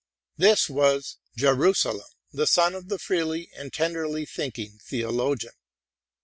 This was Jerusalem, the son of the freely and tenderly thinking theologian.